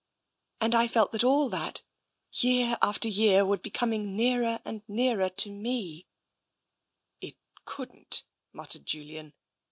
And I felt that all that, year after year, would be coming nearer and nearer to me "" It couldn't," muttered Julian.